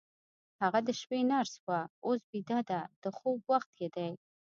هغه د شپې نرس وه، اوس بیده ده، د خوب وخت یې دی.